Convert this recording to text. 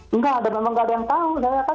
enggak ada memang nggak ada yang tahu